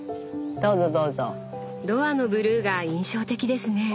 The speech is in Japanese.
ドアのブルーが印象的ですね。